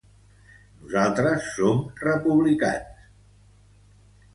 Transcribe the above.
Nosaltres som republicans i d’esquerres.